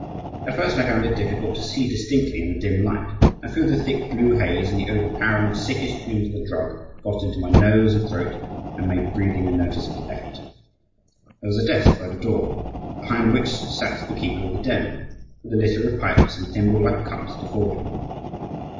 At first I found it difficult to see distinctly in the dim light and through the thick blue haze; and the overpowering, sickish fumes of the drug got into my nose and throat and made breathing a noticeable effort. There was a desk by the door, behind which sat the keeper of the den, with a litter of pipes and thimble like cups before him.